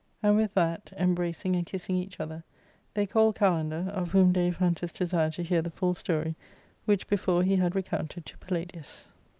And with that, embracing and kissing each other, they called Kalander, of whom Dai phantus desired to hear the full story, which before he had recoimted to Palladius.